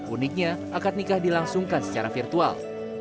uniknya akad nikah dilangsungkan secara virtual